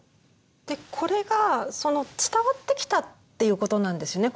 でこれがその伝わってきたっていうことなんですね